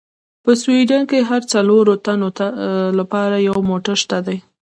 په سویډن کې د هرو څلورو تنو لپاره یو موټر شته دي.